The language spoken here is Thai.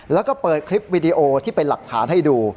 แล้วก็เปิดคลิปวิดีโอที่เป็นหลักฐานให้ดู